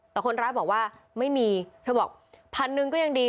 แต่คนร้ายบอกว่าไม่มีเธอบอกพันหนึ่งก็ยังดี